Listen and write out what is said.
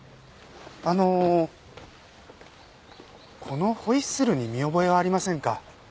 あのこのホイッスルに見覚えはありませんか？